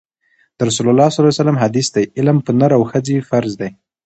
د رسول الله ﷺ حدیث دی: علم پر نر او ښځي فرض دی